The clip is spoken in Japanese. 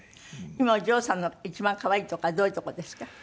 今お嬢さんの一番可愛いとこはどういうとこですか？